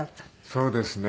そうですね。